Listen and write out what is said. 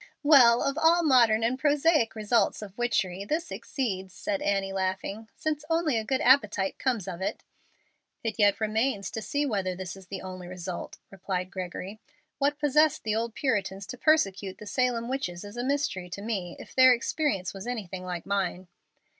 "Well, of all modern and prosaic results of witchery this exceeds," said Annie, laughing, "since only a good appetite comes of it." "It yet remains to be seen whether this is the only result," replied Gregory. "What possessed the old Puritans to persecute the Salem witches is a mystery to me, if their experience was anything like mine."